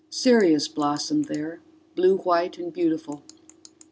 Sirius blossomed there, blue white and beautiful.